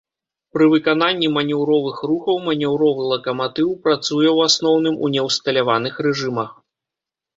Пры выкананні манеўровых рухаў манеўровы лакаматыў працуе ў асноўным у неўсталяваных рэжымах.